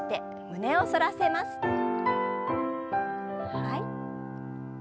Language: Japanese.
はい。